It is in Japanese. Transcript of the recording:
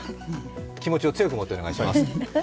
気持ちを強く持ってお願いします。